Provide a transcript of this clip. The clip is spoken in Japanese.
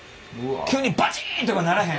急にバチンとかならへん？